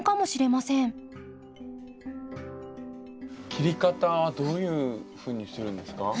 切り方はどういうふうにするんですか？